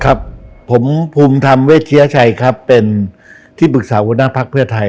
ครับผมภูมิทำเวชิฆาจัยครับเป็นที่ปรึกษาวุฒิพระพระเทพไทย